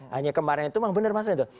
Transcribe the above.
hanya kemarin itu memang benar mas rindu